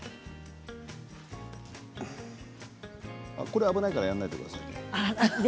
これは危ないからやらないでくださいね。